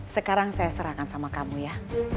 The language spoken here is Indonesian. sekarang saya serahkan sama kamu ya